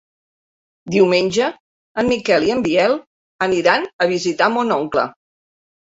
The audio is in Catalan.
Diumenge en Miquel i en Biel aniran a visitar mon oncle.